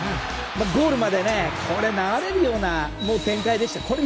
ゴールまで流れるような展開でした。